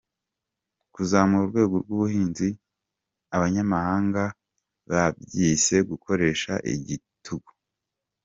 Kuzamura urwego rw’ubuhinzi abanyamahanga babyise gukoresha igitugu.